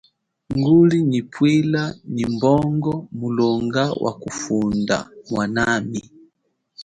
Nguli nyi pwila nyi mbongo mulonga wakufunda mwanami.